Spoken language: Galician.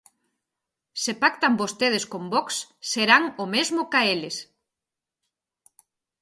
Se pactan vostedes con Vox, serán o mesmo ca eles.